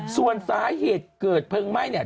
ส่วนสาเหตุเกิดเพลงไหม้